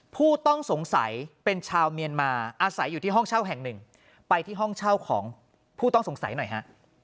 ผู้ต้องสงสัยเป็นชาวเมียนมาอาศัยอยู่ที่ห้องเช่าแห่งหนึ่งไปที่ห้องเช่าของผู้ต้องสงสัยหน่อยฮะ